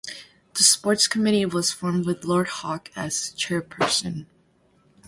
The sports Committee was formed with Lord Hawke as chairperson.